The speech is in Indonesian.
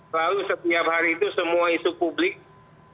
lalu setiap hari itu semua isu publik ini kita menyerap